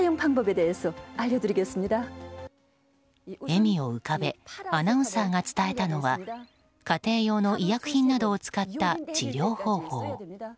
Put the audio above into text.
笑みを浮かべアナウンサーが伝えたのは家庭用の医薬品などを使った治療方法。